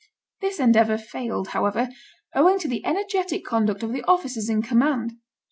This endeavour failed, however, owing to the energetic conduct of the officers in command.